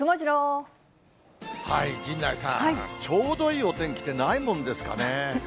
陣内さん、ちょうどいいお天気ってないもんですかね。